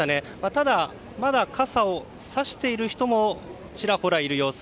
ただ、まだ傘をさしている人もちらほらいる様子。